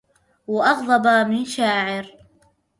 واغضبا من شاعر